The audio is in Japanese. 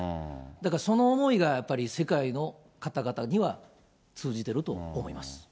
だからその思いがやっぱり世界の方々には通じてると思います。